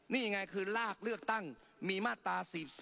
นี่ยังไงคือลากเลือกตั้งมีมาตรา๔๔